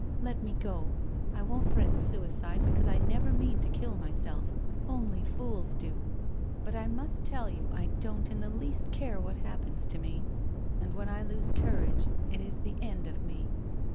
Let me go. I won't threaten suicide, because I never mean to kill myself — only fools do. But I must tell you I don't in the least care what happens to me, and when I lose courage, it is the end of me.